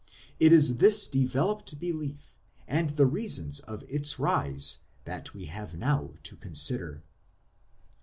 It is this developed belief, and the reasons of its rise, that we have now to consider.